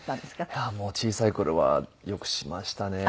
いやもう小さい頃はよくしましたね。